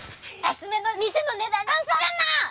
安めの店の値段で換算すんな！